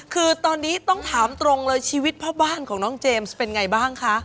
คือตอนนี้ต้องถามตรงเลยชีวิตพ่อบ้านของน้องเจมส์เป็นไงบ้างคะ